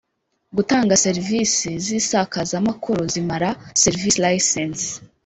gutanga serivisi z isakazamakuru zimara services licenses